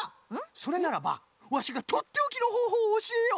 それならばワシがとっておきのほうほうをおしえよう！